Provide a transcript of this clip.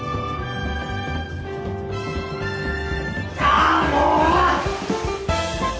ああもう！